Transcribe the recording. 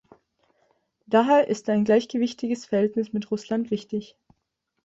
Daher ist ein gleichgewichtiges Verhältnis mit Russland wichtig.